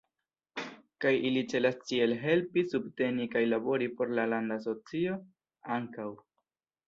Kaj ili celas ĉiel helpi, subteni kaj labori por la landa asocio ankaŭ.